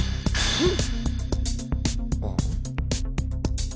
フン！